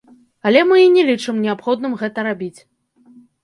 Але мы і не лічым неабходным гэта рабіць.